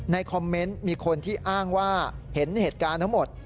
คอมเมนต์มีคนที่อ้างว่าเห็นเหตุการณ์ทั้งหมด